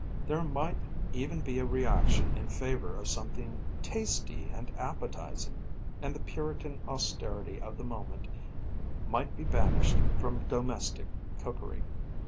There might even be a reaction in favour of something tasty and appetizing, and the Puritan austerity of the moment might be banished from domestic cookery.